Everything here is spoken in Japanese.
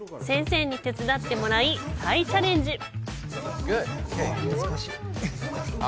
先生に手伝ってもらい再チャレンジ。